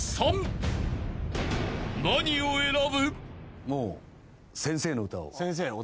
［何を選ぶ？］